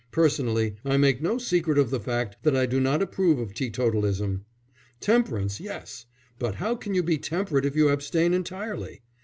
"Personally I make no secret of the fact that I do not approve of teetotalism. Temperance, yes! But how can you be temperate if you abstain entirely?